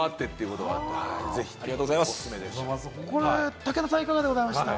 武田さん、いかがでございました？